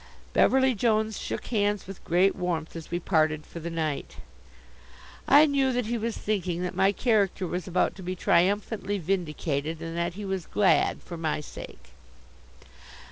Beverly Jones shook hands with great warmth as we parted for the night. I knew that he was thinking that my character was about to be triumphantly vindicated, and that he was glad for my sake.